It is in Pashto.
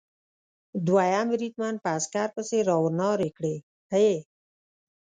دوهم بریدمن په عسکر پسې را و نارې کړې: هې!